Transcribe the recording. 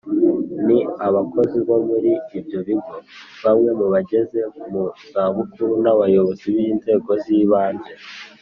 Ni abakozi bo muri ibyo bigo bamwe mu bageze mu zabukuru n’abayobozi b’Inzego z’Ibanze